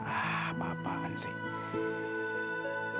apa apa kan sih